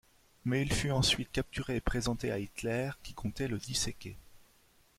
Mais il fut ensuite capturé et présenté à Hitler qui comptait le disséquer.